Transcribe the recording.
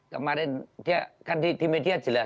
kemarin dia kan di media jelas